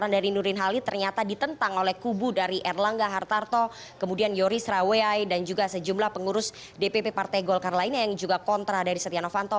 dari nurdin halid ternyata ditentang oleh kubu dari erlangga hartarto kemudian yoris raweai dan juga sejumlah pengurus dpp partai golkar lainnya yang juga kontra dari setia novanto